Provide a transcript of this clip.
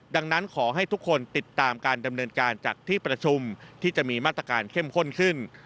ดังนั้นขอให้ทุกคนติดตามการดำเนินการจากที่ประชุมที่จะมีมาตรการเข้มข้นขึ้น